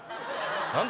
何だ？